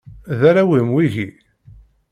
D arraw-im wigi?